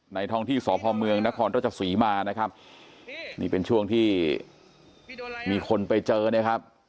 ท้องที่สพเมืองนครรัชศรีมานะครับนี่เป็นช่วงที่มีคนไปเจอนะครับ